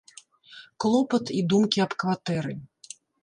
Клопат і думкі аб кватэры.